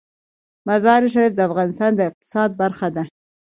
مزارشریف د افغانستان د اقتصاد برخه ده.